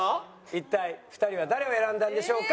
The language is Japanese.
一体２人は誰を選んだんでしょうか？